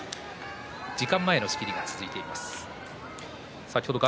時間前の仕切りが続いています。